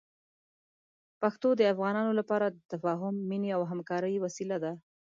پښتو د افغانانو لپاره د تفاهم، مینې او همکارۍ وسیله ده.